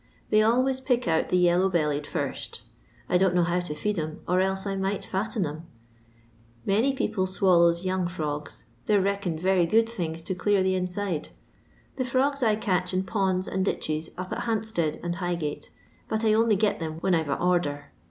They always pick out the yellow bellied first; I don't know how to feed 'em, or else I might fatten them. Many people swallows young frogs, they 're reckoned rery good things to clear the innde. The frogs I catch in ponds and ditches np at Hampstead and Highgate, but I only get them when I 're a order.